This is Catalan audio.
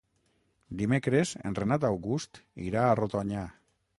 Dimecres en Renat August irà a Rodonyà.